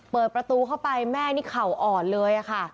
เปิดประตูเข้าไปแม่นี่เข่าอ่อนเลยค่ะ